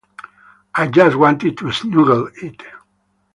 I just wanted to snuggle it.